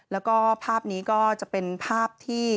แล้วก็ภาพนี้ก็จะเป็นภาพที่